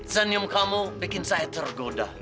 senyum kamu bikin saya tergoda